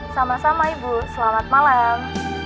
sama sama ibu selamat malam